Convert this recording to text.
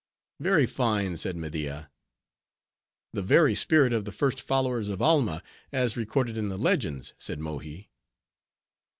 '" "Very fine," said Media. "The very spirit of the first followers of Alma, as recorded in the legends," said Mohi.